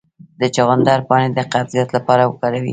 د چغندر پاڼې د قبضیت لپاره وکاروئ